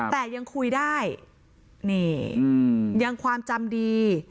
แต่ยังคุยได้นี่ยังความจำดี